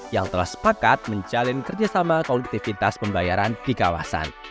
yang telah sepakat menjalin kerjasama konektivitas pembayaran di kawasan